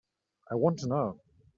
I want to know.